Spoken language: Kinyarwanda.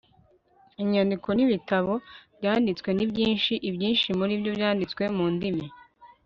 inyandiko n'ibitabo byanditswe ni byinshi. ibyinshi muri byo byanditse mu ndimi